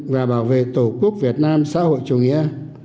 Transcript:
và bảo vệ tổ quốc việt nam xã hội chủ nghĩa